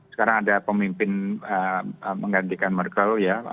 sekarang ada pemimpin menggantikan merkel ya